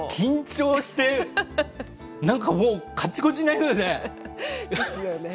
緊張して、なんかもうかちこちになりそうですね。